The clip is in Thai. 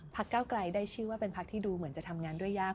เก้าไกลได้ชื่อว่าเป็นพักที่ดูเหมือนจะทำงานด้วยยาก